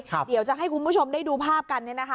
เดี๋ยวจะให้คุณผู้ชมได้ดูภาพกันเนี่ยนะคะ